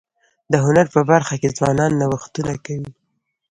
د هنر په برخه کي ځوانان نوښتونه کوي.